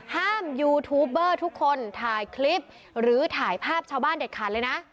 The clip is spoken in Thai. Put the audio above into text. ยูทูปเบอร์ทุกคนถ่ายคลิปหรือถ่ายภาพชาวบ้านเด็ดขาดเลยนะ